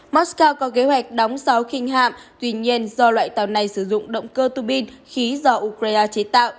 moscow có kế hoạch đóng sáu khinh hạm tuy nhiên do loại tàu này sử dụng động cơ tù binh khí do ukraine chế tạo